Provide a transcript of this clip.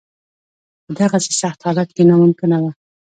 په دغسې سخت حالت کې ناممکنه وه.